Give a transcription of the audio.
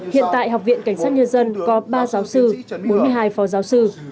hiện tại học viện cảnh sát nhân dân có ba giáo sư bốn mươi hai phó giáo sư